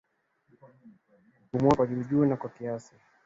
Kupumua kwa juujuu na kwa kasi